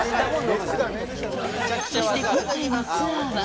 そして今回のツアーは。